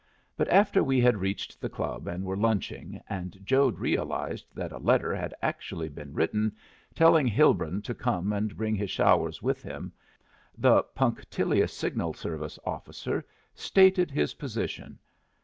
But after we had reached the club and were lunching, and Jode realized that a letter had actually been written telling Hilbrun to come and bring his showers with him, the punctilious signal service officer stated his position.